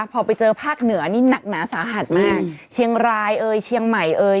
พอไปเจอภาคเหนือนี่หนักหนาสาหัสมากเชียงรายเอ่ยเชียงใหม่เอ่ย